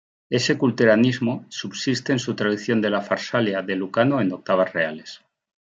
Ese culteranismo subsiste en su traducción de "La Farsalia" de Lucano en octavas reales.